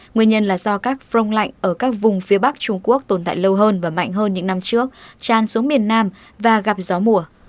nguyên nhân là do các phong lạnh ở các vùng phía bắc trung quốc tồn tại lâu hơn và mạnh hơn những năm trước tràn xuống miền nam và gặp gió mùa